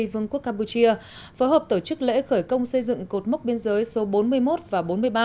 vương quốc campuchia phối hợp tổ chức lễ khởi công xây dựng cột mốc biên giới số bốn mươi một và bốn mươi ba